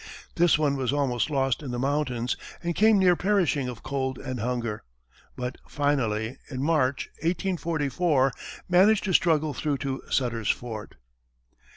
This one was almost lost in the mountains, and came near perishing of cold and hunger, but, finally, in March, 1844, managed to struggle through to Sutter's Fort.